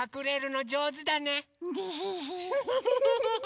フフフフフ。